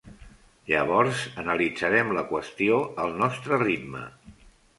Llavors, analitzarem la qüestió al nostre ritme.